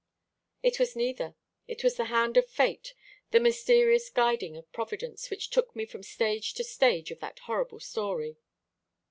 "It was neither. It was the hand of Fate, the mysterious guiding of Providence, which took me from stage to stage of that horrible story."